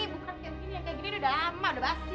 bukan kayak gini yang kayak gini udah lama udah basis